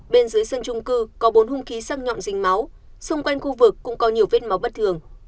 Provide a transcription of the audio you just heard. bên dưới sân trung cư có bốn hung khí sắc nhọn dình máu xung quanh khu vực cũng có nhiều vết máu bất thường